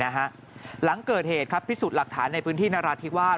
หลังเกิดเหตุครับพิสูจน์หลักฐานในพื้นที่นราธิวาส